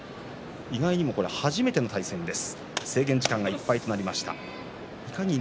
意外にも初めての対戦です。